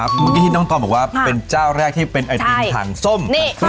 เมื่อกี้ที่น้องตอมบอกว่าเป็นเจ้าแรกที่เป็นไอติมถังส้ม